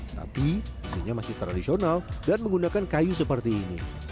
tapi isinya masih tradisional dan menggunakan kayu seperti ini